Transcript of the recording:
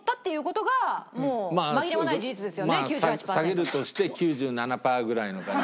下げるとして９７パーぐらいの感じ。